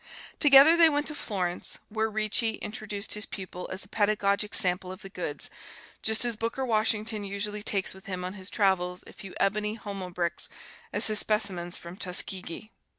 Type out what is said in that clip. Together they went to Florence, where Ricci introduced his pupil as a pedagogic sample of the goods, just as Booker Washington usually takes with him on his travels a few ebony homo bricks as his specimens from Tuskegee.